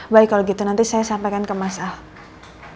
baik kalau gitu nanti saya sampaikan ke mas ahok